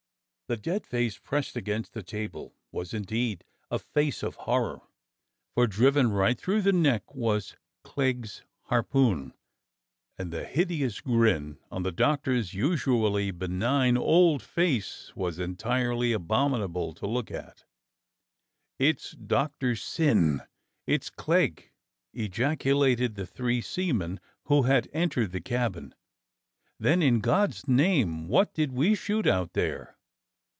The dead face pressed against the table was indeed a face of horror, for driven right through the neck was Clegg's harpoon, and the hideous grin on the Doctor's THE DEAD MAN'S THROTTLE 295 usually benign old face was entirely abominable to look upon. "It's Doctor Syn! It's Clegg!" ejaculated the three seamen who had entered the cabin. "Then, in God's name, what did we shoot out there.